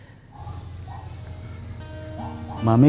dia berair muncul hadiah